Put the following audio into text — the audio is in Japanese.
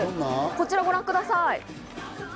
こちらをご覧ください。